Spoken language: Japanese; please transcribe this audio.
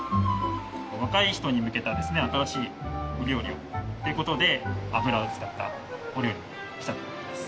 若い人に向けたですね新しいお料理をという事で油を使ったお料理に仕立てています。